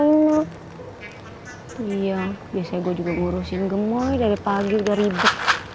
iya biasanya gue juga ngurusin gemoy dari pagi udah ribet